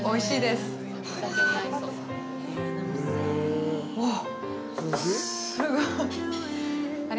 おいしいっ！